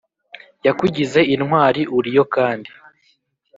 yakugize intwari uriyo kandi